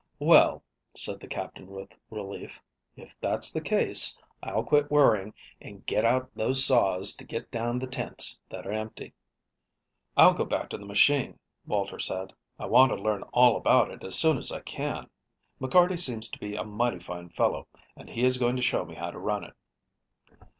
"Well," said the Captain, with relief, "if that's the case, I'll quit worrying and get out those Saws to get down the tents that are empty." "And I'll go back to the machine," Walter said. "I want to learn all about it as soon as I can. McCarty seems to be a mighty fine fellow, and he is going to show me how to run it."